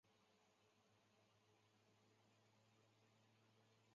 只是你不认识自己的身体吧！